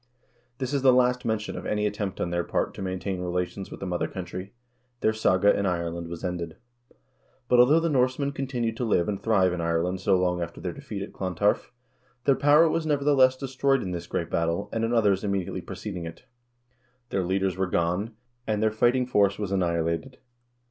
This is the last mention of any attempt on their part to maintain relations with the mother country. Their saga in Ireland was ended. But although the Norsemen continued to live and thrive in Ireland so long after their defeat at Clontarf, their power was, nevertheless, destroyed in this great battle, and in others immediately preceding it. Their leaders were gone, and their fighting force was annihilated.